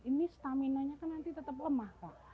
ini stamina nya kan nanti tetap lemah kok